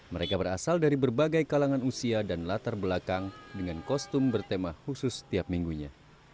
mereka berasal dari berbagai kalangan usia dan latar belakang dengan kostum bertema khusus setiap minggunya